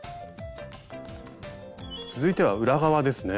続いては裏側ですね。